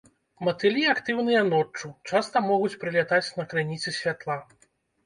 Матылі актыўныя ноччу, часта могуць прылятаць на крыніцы святла.